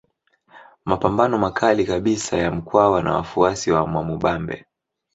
Mapambano makali kabisa ya Mkwawa na wafuasi wa Mwamubambe